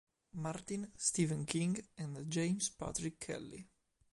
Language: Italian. Martin, Stephen King, and James Patrick Kelly.